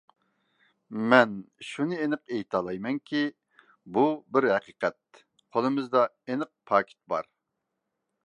مەن شۇنى ئېنىق ئېيتالايمەنكى، بۇ بىر ھەقىقەت. قولىمىزدا ئېنىق پاكىت بار.